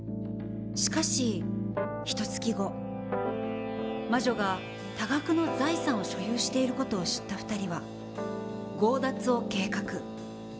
しかしひとつき後魔女が多額の財産を所有している事を知った２人は強奪を計画。